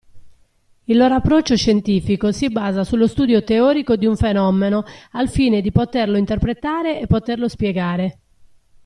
Il loro approccio scientifico si basa sullo studio teorico di un fenomeno al fine di poterlo interpretare e poterlo spiegare.